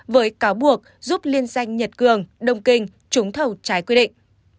với cáo buộc giúp liên danh nhật cường đông kinh trúng thầu trái quy định